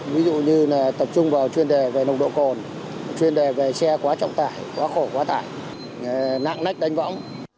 ví dụ như tập trung vào chuyên đề về nồng độ cồn chuyên đề về xe quá trọng tải quá khổ quá tải nặng nách đánh võng